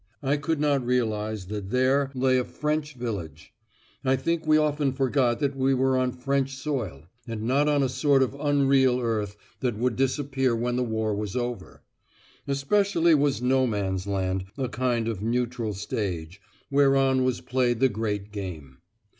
I could not realise that there lay a French village; I think we often forgot that we were on French soil, and not on a sort of unreal earth that would disappear when the war was over; especially was No Man's Land a kind of neutral stage, whereon was played the great game.